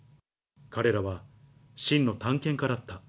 彼らは真の探検家だった。